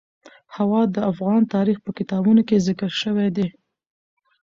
هوا د افغان تاریخ په کتابونو کې ذکر شوی دي.